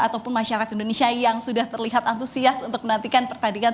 ataupun masyarakat indonesia yang sudah terlihat antusias untuk menantikan pertandingan